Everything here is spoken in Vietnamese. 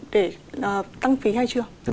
để tăng phí hay chưa